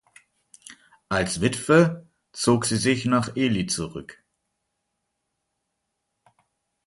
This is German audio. Als Witwe zog sie sich nach Ely zurück.